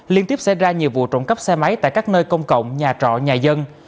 liên tiếp xảy ra nhiều vụ trộm cắp xe máy tại các nơi công cộng nhà trọ nhà dân